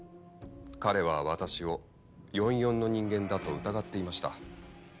彼は私を４４の人間だと疑っていました。